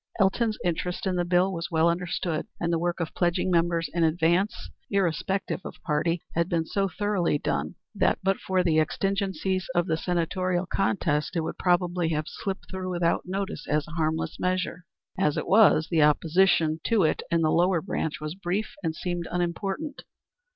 Elton's interest in the bill was well understood, and the work of pledging members in advance, irrespective of party, had been so thoroughly done, that but for the exigencies of the senatorial contest it would probably have slipped through without notice as a harmless measure. As it was, the opposition to it in the lower branch was brief and seemed unimportant.